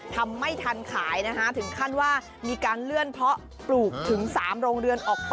ทำไม่ทันขายถึงขั้นว่ามีการเลื่อนเพราะปลูกถึงสามโรงเรือน